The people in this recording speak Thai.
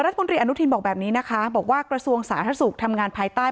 รัฐมนตรีอนุทินบอกแบบนี้นะคะบอกว่ากระทรวงสาธารณสุขทำงานภายใต้